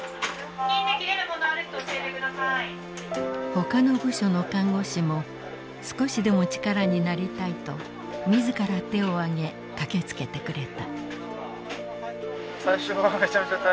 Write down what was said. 他の部署の看護師も少しでも力になりたいと自ら手を挙げ駆けつけてくれた。